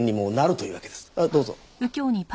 どうぞ。